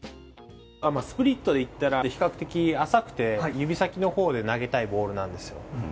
スプリットでいったら比較的浅くて指先の方で投げたいボールなんですよ。